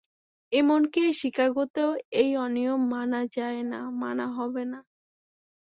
এমনকি এই শিকাগোতেও এই অনিয়ম মানা যায় না, মানা হবে না!